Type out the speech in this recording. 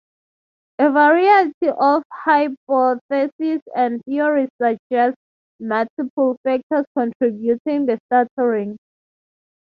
A variety of hypotheses and theories suggests multiple factors contributing to stuttering.